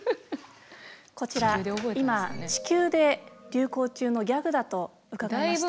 こちら今地球で流行中のギャグだと伺いました。